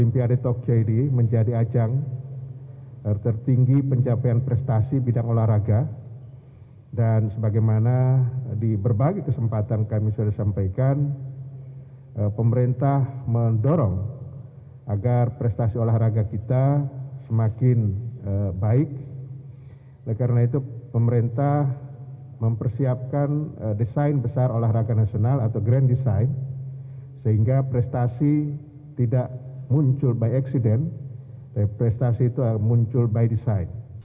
pemerintah mempersiapkan desain besar olahraga nasional atau grand design sehingga prestasi tidak muncul by accident prestasi itu muncul by design